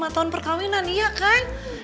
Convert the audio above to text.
dua puluh lima tahun perkahwinan iya kan